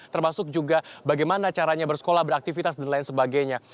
termasuk juga bagaimana caranya bersekolah beraktivitas dan lain sebagainya